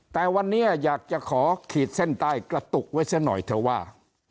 แต่วันนี้อยากจะขอขีดเส้นใต้กระตุกไว้ซะหน่อยเถอะว่า